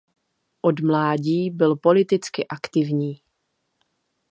Od mládí byl politicky aktivní.